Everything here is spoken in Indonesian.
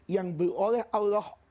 yang berulang allah